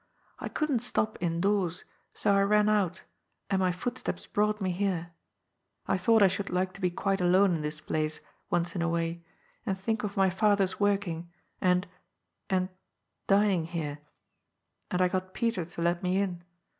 I couldn't stop in doors, so I ran out, and my footsteps brought me here. I thought I should like to be quite alone in this place once in a way and think of my father's working and — ^and dying here. And I got Peter to let me in.